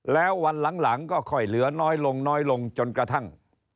แล้ววันหลังก็ค่อยเหลือน้อยลงน้อยลงจนกระทั่ง